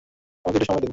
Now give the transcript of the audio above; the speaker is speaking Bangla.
আমাকে একটু সময় দিন।